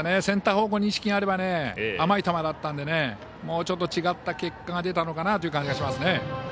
センター方向に意識があれば甘い球だったのでもうちょっと違った結果が出たのかなという感じがします。